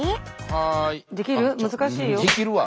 はい。